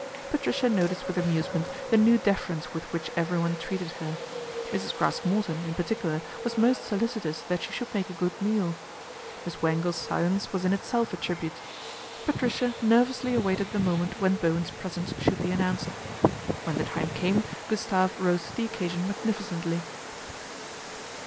Patricia noticed with amusement the new iference with which everyone treated her. Mrs. raske Morton, in particular, was most solicitous iat she should make a good meal. Miss Wangle's lence was in itself a tribute. Patricia nervously jvaited the moment when Bowen's presence s.ould be announced. When the time came Gustave rose to the ccasion magnificently.